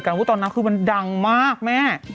แต่ว่าตอนนั้นคือมันดังมากแม่